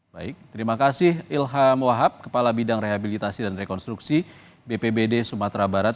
baik terima kasih ilham wahab kepala bidang rehabilitasi dan rekonstruksi bpbd sumatera barat